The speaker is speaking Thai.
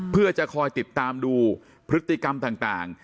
เพื่อจะคอยติดตามดูพฤติกรรมต่าง